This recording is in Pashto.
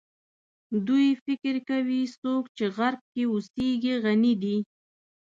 دوی فکر کوي څوک چې غرب کې اوسي غني دي.